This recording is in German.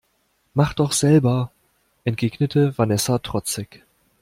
Mach doch selber, entgegnete Vanessa trotzig.